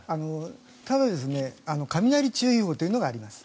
ただ、雷注意報というのがあります。